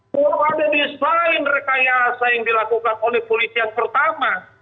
kalau ada desain rekayasa yang dilakukan oleh polisi yang pertama